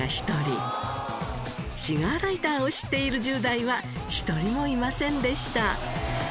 シガーライターを知っている１０代は１人もいませんでした。